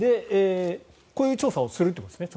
こういう調査をするということですね。